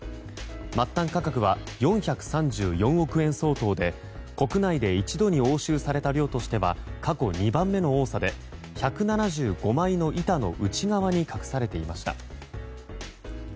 末端価格は４３４億円相当で国内で一度に押収された量としては過去２番目の多さで１７５枚の板の内側に隠されていました。